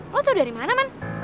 mau tahu dari mana man